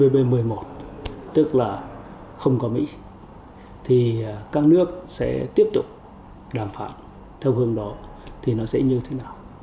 kinh bản thứ nhất là tpp một hay là tpp một mươi một tức là không có mỹ thì các nước sẽ tiếp tục đàm phán theo hướng đó thì nó sẽ như thế nào